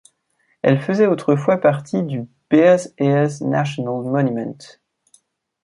Elle faisait autrefois partie du Bears Ears National Monument.